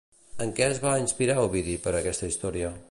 En què es va inspirar Ovidi per aquesta història?